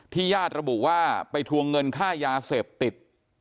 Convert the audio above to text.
ญาติระบุว่าไปทวงเงินค่ายาเสพติด